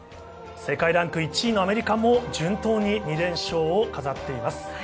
世界ランク１位のアメリカも順当に２連勝を飾っています。